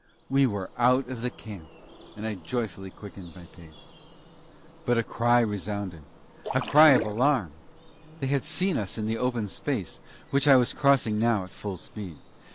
We were out of the camp, and I joyfully quickened my pace. But a cry resounded a cry of alarm. They had seen us in the open space, which I was crossing now at full speed....